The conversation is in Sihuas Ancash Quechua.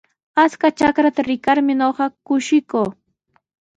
Akshu trakraata rikarmi ñuqa kushikuu.